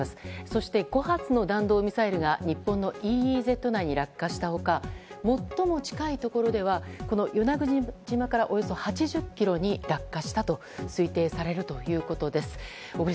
そして５発の弾道ミサイルが日本のＥＥＺ内に落下した他、最も近いところでは与那国島からおよそ８０ｋｍに落下したと推定されるということです。